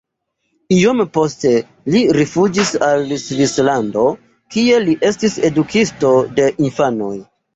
Iom poste li rifuĝis al Svislando, kie li estis edukisto de infanoj.